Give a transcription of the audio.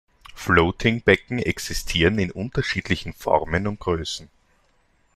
Floating-Becken existieren in unterschiedlichen Formen und Größen.